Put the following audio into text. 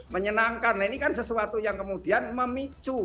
menyenangkan ini kan sesuatu yang kemudian memicu